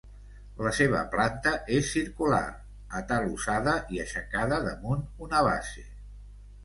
La seva planta és circular, atalussada i aixecada damunt una base.